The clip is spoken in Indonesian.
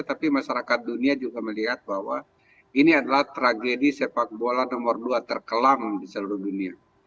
tapi masyarakat dunia juga melihat bahwa ini adalah tragedi sepak bola nomor dua terkelam di seluruh dunia